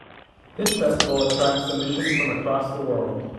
This festival attracts submissions from across the world.